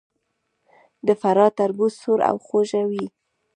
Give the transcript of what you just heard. د فراه تربوز سور او خوږ وي.